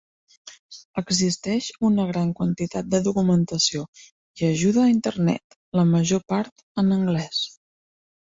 Existeix una gran quantitat de documentació i ajuda a Internet, la major part en anglès.